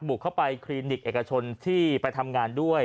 เข้าไปคลินิกเอกชนที่ไปทำงานด้วย